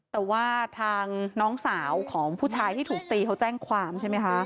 แต่ว่าทางน้องสาวของผู้ชายที่ถูกตีเขาแจ้งความใช่ไหมคะ